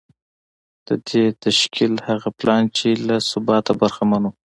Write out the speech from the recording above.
د دې تشکیل هغه پلان چې له ثباته برخمن و